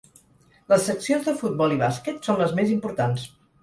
Les seccions de futbol i bàsquet són les més importants.